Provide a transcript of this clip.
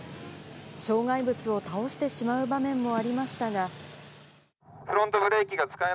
障害物を倒してしまう場面もありましたが。